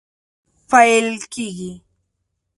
پیل کیږي